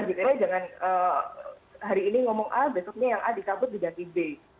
jangan hari ini ngomong a besoknya yang a dicabut diganti b